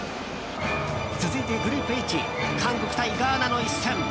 続いてグループＨ韓国対ガーナの一戦。